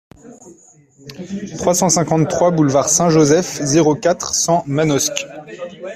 trois cent cinquante-trois boulevard Saint-Joseph, zéro quatre, cent, Manosque